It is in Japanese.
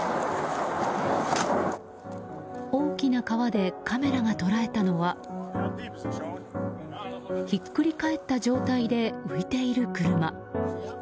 大きな川でカメラが捉えたのはひっくり返った状態で浮いている車。